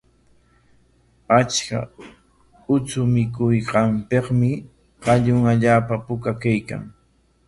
Achka uchu mikunqanpikmi qallun allaapa puka kaykan.